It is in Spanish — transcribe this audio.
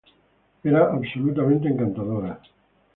Era absolutamente encantadora".